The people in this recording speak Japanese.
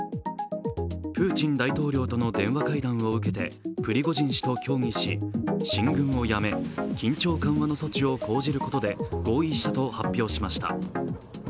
プーチン大統領との電話会談を受けてプリゴジン氏と協議し進軍をやめ緊張緩和の措置を講じることで合意したと発表しました。